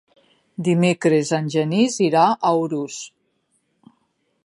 Dimecres en Genís irà a Urús.